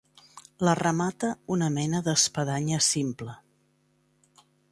La remata una mena d'espadanya simple.